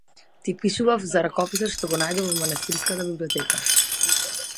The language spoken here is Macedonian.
Ти пишував за ракописот што го најдов во манастирската библиотека.